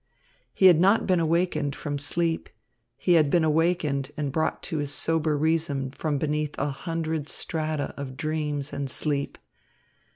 He had not been awakened from sleep; he had been awakened and brought to his sober reason from beneath a hundred strata of dreams and sleep.